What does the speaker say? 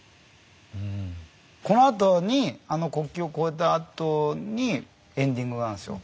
このあとにあの国境を越えたあとにエンディングがあるんすよ。